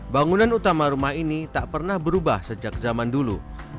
bangunan utama rumah ini tak pernah berubah sejak zaman dulu